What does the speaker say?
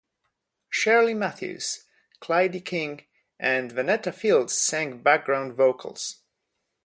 Sherlie Matthews, Clydie King and Venetta Fields sang background vocals.